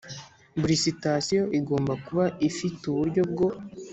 Buri sitasiyo igomba kuba ifite uburyo bwo